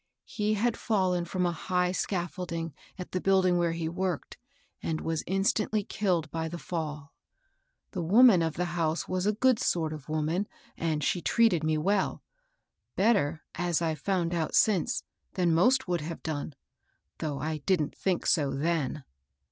^^ He had &llen from a high scaffolding at the building where he worked, and was instantly killed by the fell. " The woman of the house was a good sort of woman, and she treated me well, — better, as I've found out since, than most would have done, though I didn't think so then.